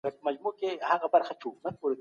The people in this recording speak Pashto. علم د انسان د تنظیم سوې پوهې نوم دی.